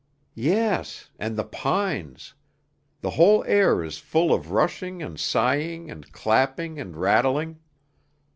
"Yes. And the pines. The whole air is full of rushing and sighing and clapping and rattling.